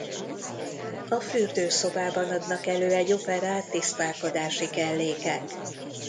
A fürdőszobában adnak elő egy operát tisztálkodási kellékek.